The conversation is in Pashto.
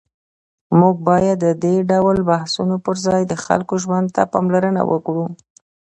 موږ باید د دې ډول بحثونو پر ځای د خلکو ژوند ته پاملرنه وکړو.